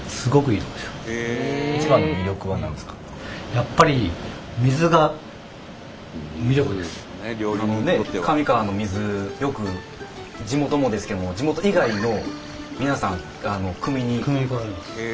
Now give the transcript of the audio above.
やっぱり神河の水よく地元もですけど地元以外の皆さんがくみに。